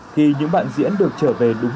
khi những bạn diễn được trở về đúng